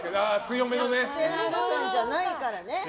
ステラおばさんじゃないからね。